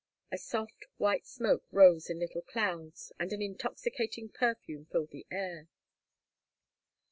A soft, white smoke rose in little clouds, and an intoxicating perfume filled the air.